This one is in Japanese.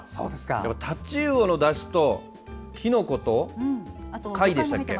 タチウオのだしときのこと貝でしたっけ。